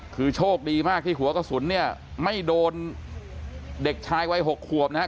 คือโชคดีมากที่หัวกระสุนเนี่ยไม่โดนเด็กชายวัย๖ขวบนะครับ